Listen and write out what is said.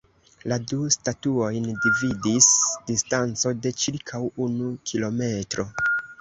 La du statuojn dividis distanco de ĉirkaŭ unu kilometro.